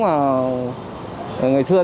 là nhìn được